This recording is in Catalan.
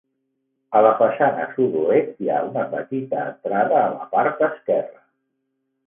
A la façana sud-oest, hi ha una petita entrada a la part esquerra.